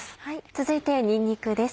続いてにんにくです。